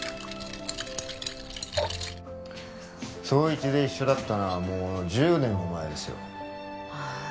捜一で一緒だったのはもう１０年も前ですよあー